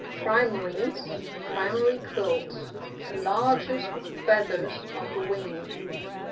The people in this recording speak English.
Primaries, (Primary quills.)— The largest feathers of the wings.